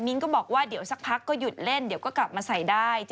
ก็บอกว่าเดี๋ยวสักพักก็หยุดเล่นเดี๋ยวก็กลับมาใส่ได้